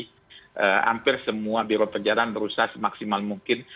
hampir semua biro perjalanan berusaha semaksimal mungkin